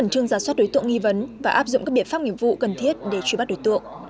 trường giả soát đối tượng nghi vấn và áp dụng các biện pháp nghiệp vụ cần thiết để truy bắt đối tượng